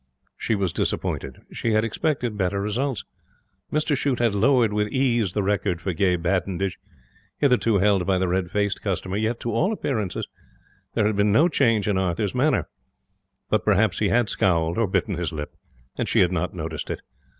She was disappointed. She had expected better results. Mr Shute had lowered with ease the record for gay badinage, hitherto held by the red faced customer; yet to all appearances there had been no change in Arthur's manner. But perhaps he had scowled (or bitten his lip), and she had not noticed it.